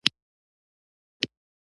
خوراک بايد په منظم ډول ترسره شي.